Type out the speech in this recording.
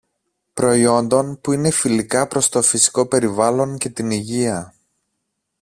προϊόντων που είναι φιλικά προς το φυσικό περιβάλλον και την υγεία